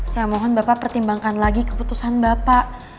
saya mohon bapak pertimbangkan lagi keputusan bapak